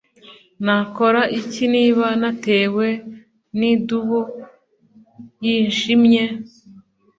Nakora iki niba natewe nidubu yijimye?